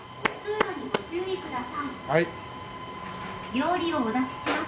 料理をお出しします。